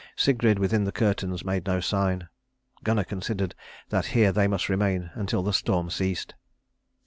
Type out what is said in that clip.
Sigrid within the curtains made no sign. Gunnar considered that here they must remain until the storm ceased.